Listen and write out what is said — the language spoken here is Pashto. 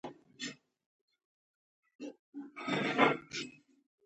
د مالیکولونو سرعت یې شېبه په شېبه زیاتیږي.